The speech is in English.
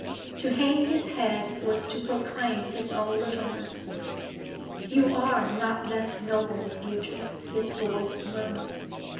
To hang his head was to proclaim his own littleness. 'You are not less noble, Beatrice,' his voice murmured.